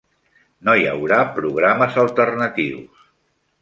No hi haurà programes alternatius.